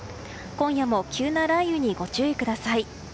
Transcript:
今夜も急な雷雨にご注意ください。